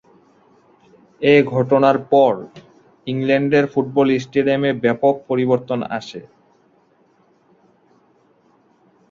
এ ঘটনার পর ইংল্যান্ডের ফুটবল স্টেডিয়ামে ব্যাপক পরিবর্তন আসে।